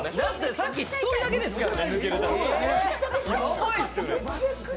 さっき１人だけでしたからね。